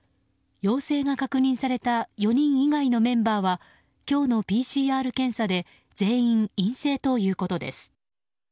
陽性が確認された４人以外のメンバーは今日のＰＣＲ検査で全員、陰性ということです。